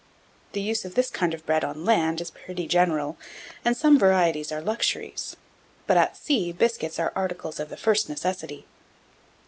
The use of this kind of bread on land is pretty general, and some varieties are luxuries; but, at sea, biscuits are articles of the first necessity.